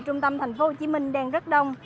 trung tâm thành phố hồ chí minh đang rất đông